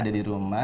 ada di rumah